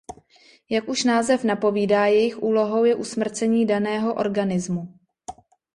Jak už název napovídá jejich úlohou je usmrcení daného organizmu.